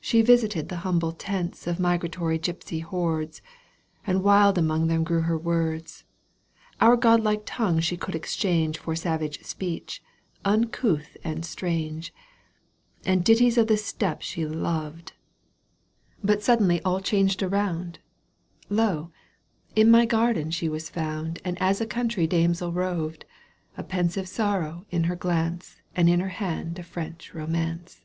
She visited the humble tents Digitized by VjOOQ 1С 224 EUGENE ON^GUINE. canto vni. Of migratory gipsy hordes — And wild among them grew her words — Our godlike tongue she could exchange For savage speech, uncouth and strange, And ditties of the steppe she loved. But suddenly aU changed around ! Lo ! in my garden was she found And as a country damsel roved, A pensive sorrow in her glance And in her hand a French romance.